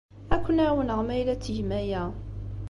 Ad ken-ɛawneɣ ma yella ad tgem aya.